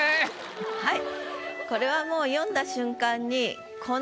はい。